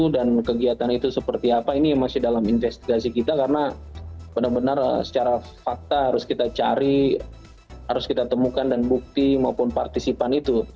dan kegiatan itu seperti apa ini masih dalam investigasi kita karena benar benar secara fakta harus kita cari harus kita temukan dan bukti maupun partisipan itu